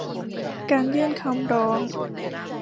การยื่นคำร้อง